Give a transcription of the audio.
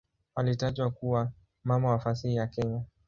Alitajwa kuwa "mama wa fasihi ya Kenya".